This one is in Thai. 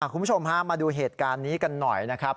คุณผู้ชมฮะมาดูเหตุการณ์นี้กันหน่อยนะครับ